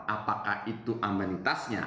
apakah itu amanitasnya